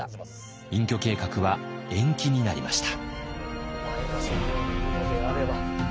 隠居計画は延期になりました。